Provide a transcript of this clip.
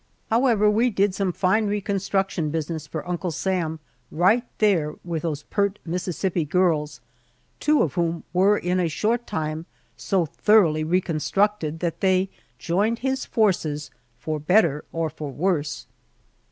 However, we did some fine reconstruction business for Uncle Sam right there with those pert Mississippi girls two of whom were in a short time so thoroughly reconstructed that they joined his forces "for better or for worse!"